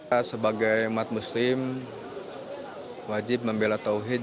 saya sebagai umat muslim wajib membela tawhid